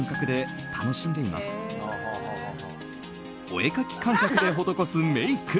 お絵かき感覚で施すメイク。